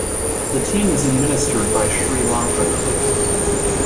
The team is administered by Sri Lanka Cricket.